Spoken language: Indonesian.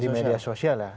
di media sosial ya